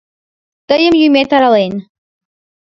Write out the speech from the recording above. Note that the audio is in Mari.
Тыйым юмет арален.